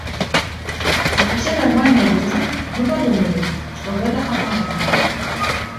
Як усе нармальныя людзі, мы падумалі, што гэта аварыя.